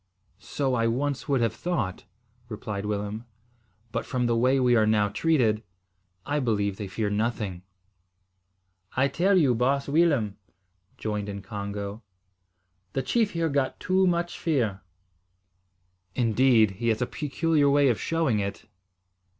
"So I once would have thought," replied Willem, "but from the way we are now treated, I believe they fear nothing." "I tell you, baas Willem," joined in Congo, "the chief here got too much fear." "Indeed! He has a peculiar way of showing it."